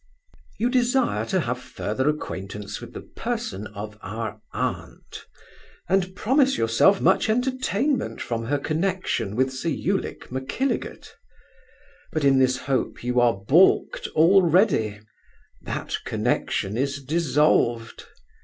You desire to have further acquaintance with the person of our aunt, and promise yourself much entertainment from her connexion with Sir Ulic Mackilligut: but in this hope you are baulked already; that connexion is dissolved.